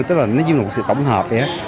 tức là nó như một sự tổng hợp vậy đó